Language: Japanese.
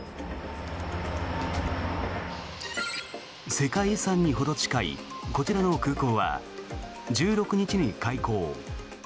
世界遺産にほど近いこちらの空港は１６日に開港。